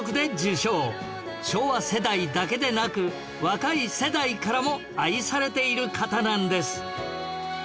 昭和世代だけでなく若い世代からも愛されている方なんです